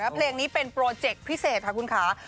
เพลงนี้เป็นโปรเจคพิเศษค่ะคุณค่ะ